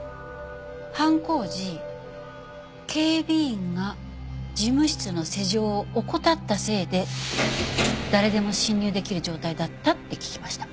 犯行時警備員が事務室の施錠を怠ったせいで誰でも侵入できる状態だったって聞きました。